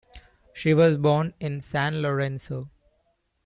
She was born in San Lorenzo.